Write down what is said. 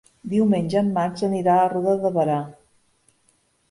Diumenge en Max anirà a Roda de Berà.